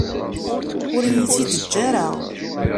Ur iyi-tt-id-teǧǧa ara.